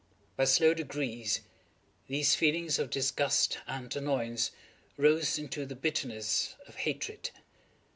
By slow degrees, these feelings of disgust and annoyance rose into the bitterness of hatred.